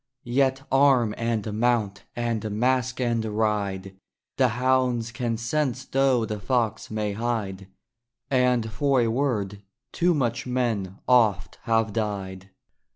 Yet arm and mount! and mask and ride! The hounds can sense though the fox may hide! And for a word too much men oft have died.